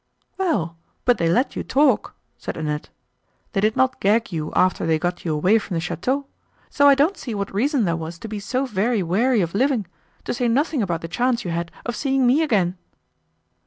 "Well, but they let you talk," said Annette, "they did not gagg you after they got you away from the château, so I don't see what reason there was to be so very weary of living; to say nothing about the chance you had of seeing me again."